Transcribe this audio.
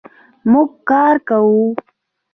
مونږ کار کوو